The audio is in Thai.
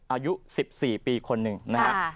อายุ๑๔ปีคนหนึ่งนะครับ